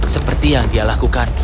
seperti yang dia lakukan